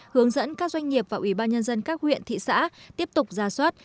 hướng dẫn các doanh nghiệp và ủy ban nhân dân các huyện thị xã tiếp tục ra soát